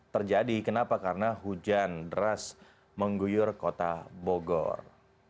terjadi kenapa karena hujan deras mengguyur kota bogor